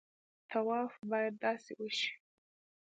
طواف باید داسې وشي.